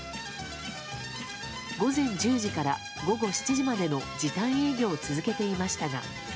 午前１０時から午後７時までの時短営業を続けていましたが。